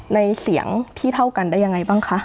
ในเสียงที่เท่ากันได้ยังไงบ้างคะ